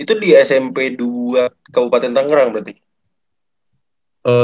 itu di smp dua kabupaten tangerang berarti